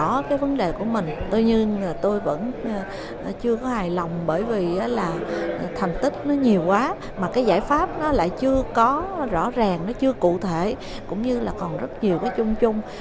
tôi không có vấn đề của mình tôi vẫn chưa có hài lòng bởi vì thành tích nó nhiều quá mà cái giải pháp nó lại chưa có rõ ràng nó chưa cụ thể cũng như là còn rất nhiều cái chung chung